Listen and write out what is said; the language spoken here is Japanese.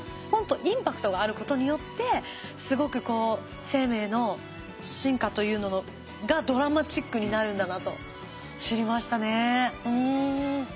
ポンとインパクトがあることによってすごくこう生命の進化というのがドラマチックになるんだなと知りましたね。